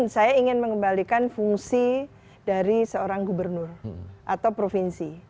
saya ingin mengembalikan fungsi dari seorang gubernur atau provinsi